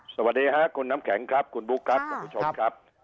สวัสดีค่ะคุณน้ำแข็งครับคุณบุ๊คครับคุณผู้ชมครับ